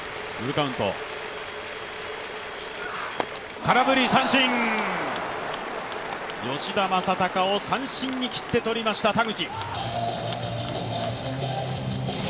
空振り三振、吉田正尚を三振に斬って取りました田口。